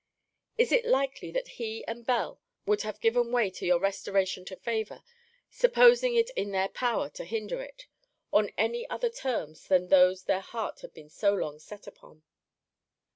Is it likely that he and Bell would have given way to your restoration to favour, supposing it in their power to hinder it, on any other terms than those their hearts had been so long set upon?